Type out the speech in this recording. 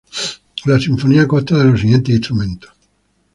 La sinfonía consta de los siguientes instrumentos.